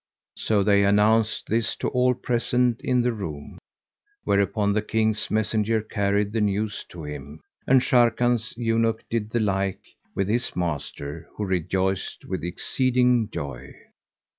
So they announced this to all present in the room, whereupon the King's messenger carried the news to him; and Sharrkan's eunuch did the like with his master, who rejoiced with exceeding joy.